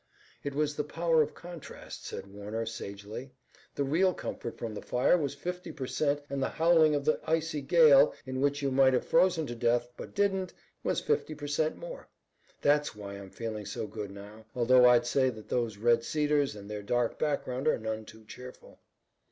"It was the power of contrast," said Warner sagely. "The real comfort from the fire was fifty per cent and the howling of the icy gale, in which you might have frozen to death, but didn't, was fifty per cent more. That's why I'm feeling so good now, although I'd say that those red cedars and their dark background are none too cheerful."